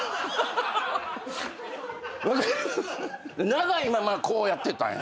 長いままこうやってたんよ。